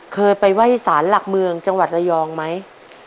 เคยไปไหว้สารหลักเมืองจังหวัดระยองไหม